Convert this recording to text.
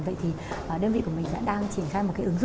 vậy thì đơn vị của mình đã đang chỉnh khai một cuộc nhậu nào đó